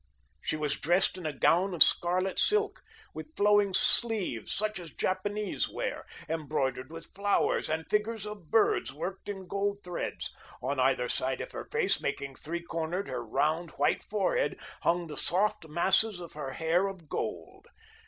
She was dressed in a gown of scarlet silk, with flowing sleeves, such as Japanese wear, embroidered with flowers and figures of birds worked in gold threads. On either side of her face, making three cornered her round, white forehead, hung the soft masses of her hair of gold.